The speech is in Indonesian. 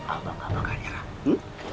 abang gak bakal nyerah